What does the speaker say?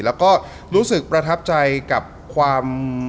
แล้วก็รู้สึกประทับใจกับความ